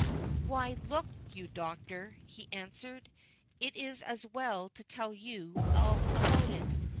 "Why, look you, Doctor," he answered, "it is as well to tell you all about it.